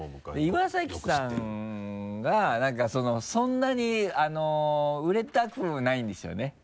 岩崎さんが何かそんなに売れたくないんですよね？